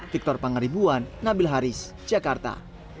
victor pangaribuan nabil haris jakarta